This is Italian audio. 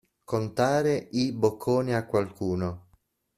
Contare i boccone a qualcuno.